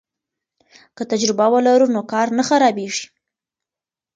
که تجربه ولرو نو کار نه خرابیږي.